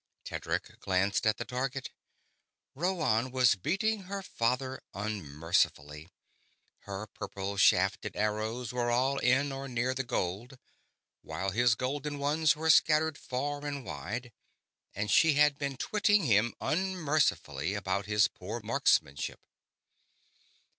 Tedric glanced at the target. Rhoann was beating her father unmercifully her purple shafted arrows were all in or near the gold, while his golden ones were scattered far and wide and she had been twitting him unmercifully about his poor marksmanship.